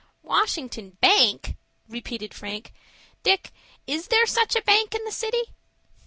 "Washington Bank!" repeated Frank. "Dick, is there such a bank in the city?"